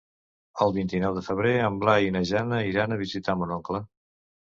El vint-i-nou de febrer en Blai i na Jana iran a visitar mon oncle.